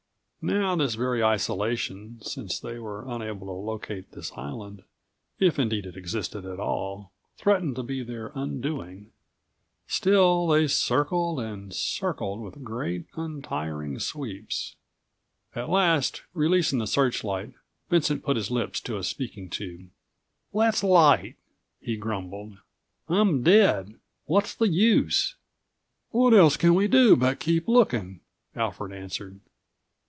Now this very isolation, since they were unable to locate this island, if indeed it existed at all, threatened to be their undoing. Still they circled and circled with great, untiring sweeps. At last, releasing the searchlight,153 Vincent put his lips to a speaking tube. "Let's light," he grumbled. "I'm dead. What's the use?" "What else can we do but keep looking?" Alfred answered.